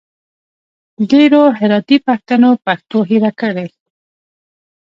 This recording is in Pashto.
ډېرو هراتي پښتنو پښتو هېره کړي